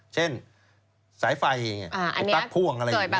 เช่นสายไฟไอ้ตั๊กพ่วงอะไรอย่างนี้